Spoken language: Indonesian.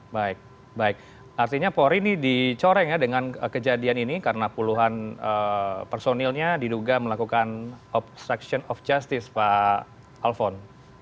baik baik artinya polri ini dicoreng ya dengan kejadian ini karena puluhan personilnya diduga melakukan obstruction of justice pak alphon